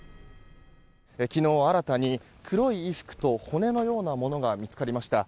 昨日新たに黒い衣服と骨のようなものが見つかりました。